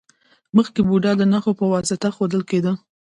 مخکې بودا د نښو په واسطه ښودل کیده